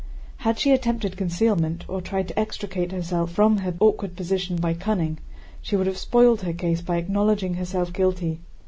Had she attempted concealment, or tried to extricate herself from her awkward position by cunning, she would have spoiled her case by acknowledging herself guilty.